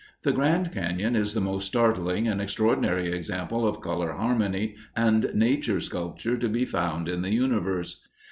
The Grand Cañon is the most startling and extraordinary example of color harmony and nature sculpture to be found in the universe.